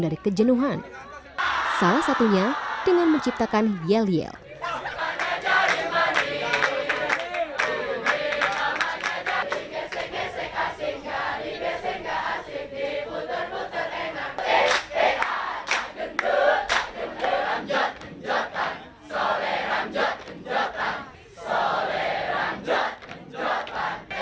mereka juga tidak boleh berkomunikasi dengan orang orang terdekat